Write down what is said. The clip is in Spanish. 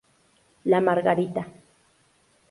La Margarita.